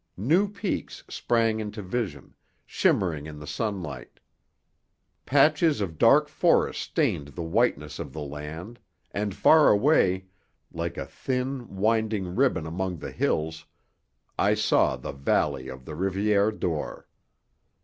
New peaks sprang into vision, shimmering in the sunlight. Patches of dark forest stained the whiteness of the land, and far away, like a thin, winding ribbon among the hills, I saw the valley of the Rivière d'Or.